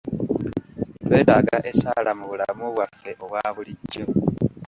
Twetaaga essaala mu bulamu bwaffe obwa bulijjo.